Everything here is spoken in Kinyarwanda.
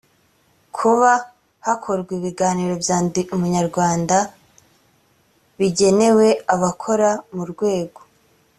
kuba hakorwa ibiganiro bya ndi umunyarwanda bigenewe abakora mu rwego